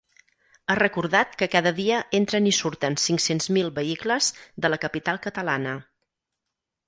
Ha recordat que cada dia entren i surten cinc-cents mil vehicles de la capital catalana.